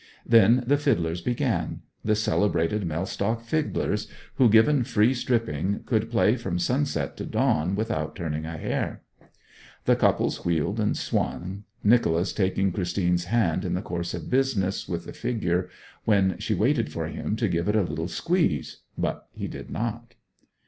Then the fiddlers began the celebrated Mellstock fiddlers who, given free stripping, could play from sunset to dawn without turning a hair. The couples wheeled and swung, Nicholas taking Christine's hand in the course of business with the figure, when she waited for him to give it a little squeeze; but he did not.